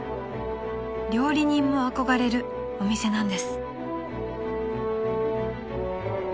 ［料理人も憧れるお店なんです］